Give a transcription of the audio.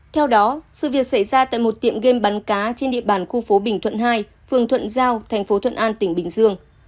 theo đó sự việc xảy ra tại một tiệm game bắn cá trên địa bàn khu phố bình thuận hai phường thuận giao thành phố thuận an tỉnh bình dương